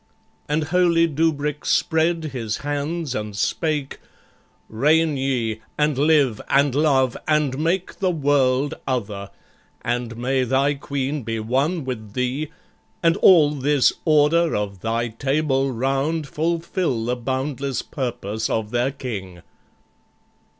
And holy Dubric spread his hands and spake, "Reign ye, and live and love, and make the world Other, and may thy Queen be one with thee, And all this Order of thy Table Round Fulfil the boundless purpose of their King!"